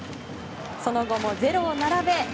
その後もゼロを並べ